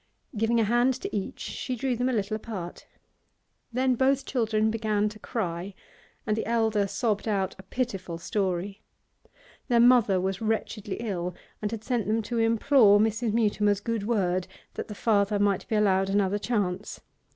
Giving a hand to each, she drew them a little apart. Then both children began to cry, and the elder sobbed out a pitiful story. Their mother was wretchedly ill and had sent them to implore Mrs. Mutimer's good word that the father might be allowed another chance.